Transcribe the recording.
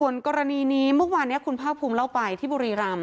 ส่วนกรณีนี้เมื่อวานนี้คุณภาคภูมิเล่าไปที่บุรีรำ